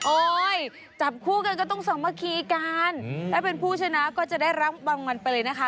จับคู่กันก็ต้องสามัคคีกันถ้าเป็นผู้ชนะก็จะได้รับรางวัลไปเลยนะคะ